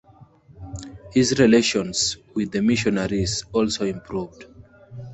His relations with the missionaries also improved.